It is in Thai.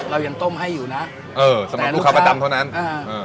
เรายังต้มให้อยู่นะเออสำหรับลูกค้าประจำเท่านั้นอ่าเออ